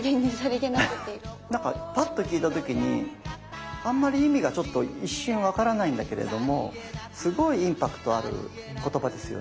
なんかパッと聞いた時にあんまり意味がちょっと一瞬分からないんだけれどもすごいインパクトある言葉ですよね。